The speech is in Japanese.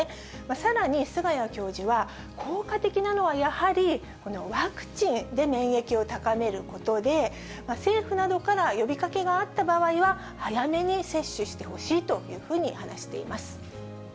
さらに、菅谷教授は、効果的なのはやはりこのワクチンで免疫を高めることで、政府などから呼びかけがあった場合は、早めに接種してほしいというふうに話しています。